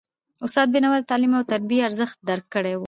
استاد بینوا د تعلیم او تربیې ارزښت درک کړی و.